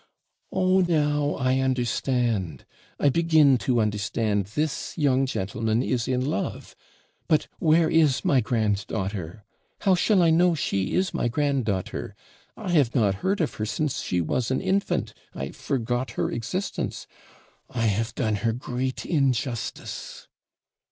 'Oh, now I understand I begin to understand this young gentleman is in love but where is my grand daughter? how shall I know she is my grand daughter? I have not heard of her since she was an infant I forgot her existence I have done her great injustice.'